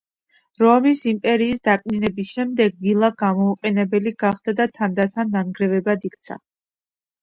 რომის იმპერიის დაკნინების შემდეგ, ვილა გამოუყენებელი გახდა და თანდათან ნანგრევებად იქცა.